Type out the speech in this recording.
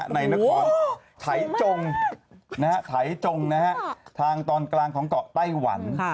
ในนครไถจงไถจงทางตอนกลางของเกาะไต้หวัน